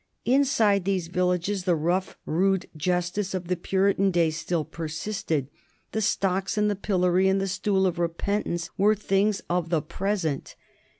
Inside these villages the rough, rude justice of the Puritan days still persisted. The stocks and the pillory and the stool of repentance were things of the present.